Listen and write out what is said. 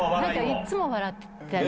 いつも笑ってる。